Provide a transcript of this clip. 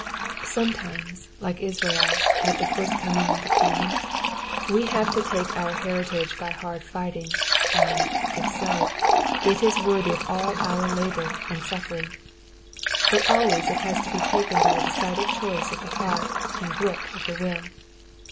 Sometimes, like Israel at the first coming into Canaan, we have to take our heritage by hard fighting, and, if so, it is worthy of all our labour and suffering ; but always it has to be taken by a decided choice of. the heart and grip of the will.